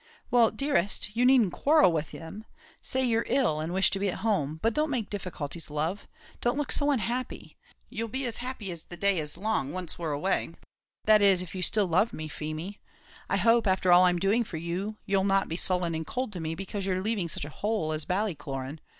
"Well, dearest, you needn't quarrel with them; say you're ill, and wish to be at home; but don't make difficulties, love; don't look so unhappy; you'll be as happy as the day is long, when we're once away that is, if you still love me, Feemy. I hope, after all I'm doing for you, you'll not be sullen and cold to me because you're leaving such a hole as Ballycloran.